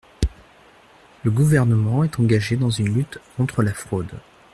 Le Gouvernement est engagé dans une lutte contre la fraude.